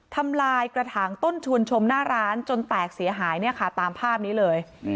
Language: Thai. ทำลายกระถางต้นชวนชมหน้าร้านจนแตกเสียหายเนี่ยค่ะตามภาพนี้เลย